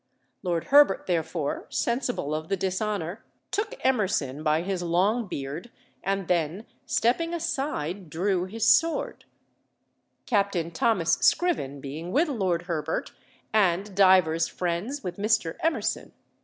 Lord Herbert therefore, sensible of the dishonour, took Emerson by his long beard, and then, stepping aside, drew his sword; Captain Thomas Scriven being with Lord Herbert, and divers friends with Mr. Emerson.